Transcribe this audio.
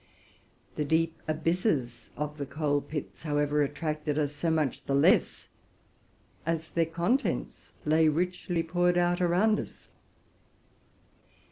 The deep abysses of the coal levels, however, attracted us so much the less as their contents lay richly poured out around us.